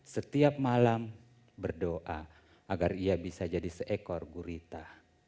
setiap malam berdoa agar ia bisa jadi seekor gurita